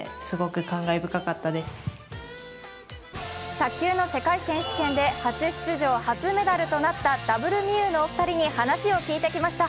卓球の世界選手権で初出場初メダルとなったＷみゆうのお二人に話を聞いてきました。